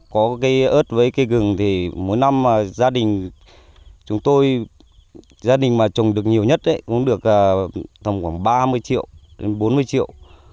có cây ớt với cây gừng thì mỗi năm gia đình chúng tôi gia đình mà trồng được nhiều nhất cũng được tầm khoảng ba mươi triệu đến bốn mươi triệu